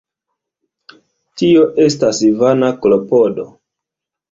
Tio estas vana klopodo.